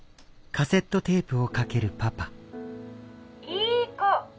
「いい子！